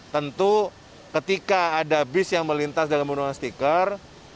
tentu ketika ada bus yang melintas dengan penyekatan stiker